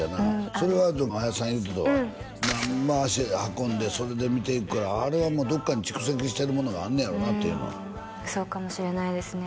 それは林さん言うてたわうん何ぼ足運んでそれで見ていくからあれはもうどっかに蓄積してるものがあんねやろなっていうのはそうかもしれないですね